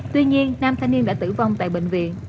tuy nhiên nam thanh niên đã tử vong tại bệnh viện